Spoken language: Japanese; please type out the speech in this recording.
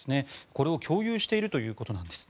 これを共有しているということなんです。